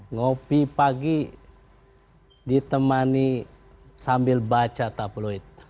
ngopi pagi ditemani sambil baca tabloid